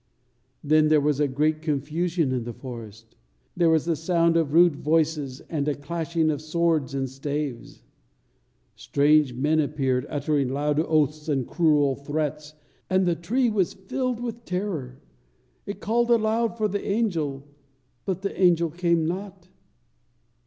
Then there was a great confusion in the forest. There was a sound of rude voices, and a clashing of swords and staves. Strange men appeared, uttering loud oaths and cruel threats, and the tree was filled with terror. It called aloud for the angel, but the angel came not.